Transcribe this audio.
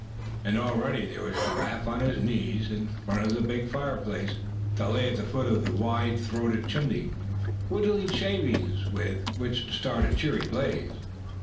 And already there was Giraffe on his knees in front of the big fireplace that lay at the foot of the wide throated chimney, whittling shavings with which to start a cheery blaze.